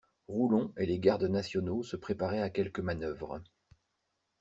Roulon et les gardes nationaux se préparaient à quelque manœuvre.